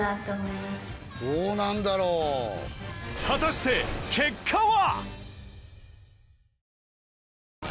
果たして結果は？